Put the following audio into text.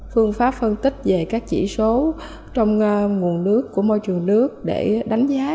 phương pháp phân tích về các chỉ số trong nguồn nước của môi trường nước để đánh giá